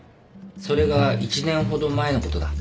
それが１年ほど前のことだ。